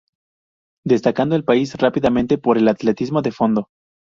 Destacando el país rápidamente por el atletismo de fondo.